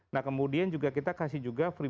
nah kemudian kita juga kasih juga free